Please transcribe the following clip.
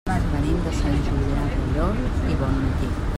Venim de Sant Julià del Llor i Bonmatí.